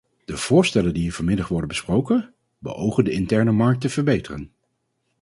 De voorstellen die hier vanmiddag worden besproken, beogen de interne markt te verbeteren.